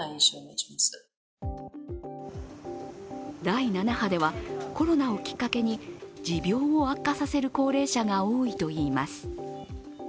第７波では、コロナをきっかけに持病を悪化させる高齢者が多いといいます。